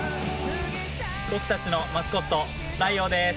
僕たちのマスコットライオーです。